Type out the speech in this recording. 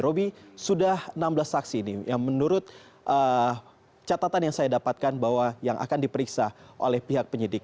roby sudah enam belas saksi ini yang menurut catatan yang saya dapatkan bahwa yang akan diperiksa oleh pihak penyidik